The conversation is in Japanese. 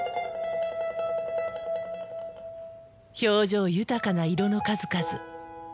表情豊かな色の数々。